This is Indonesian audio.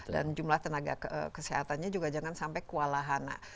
dan jumlah tenaga kesehatannya juga jangan sampai kualahana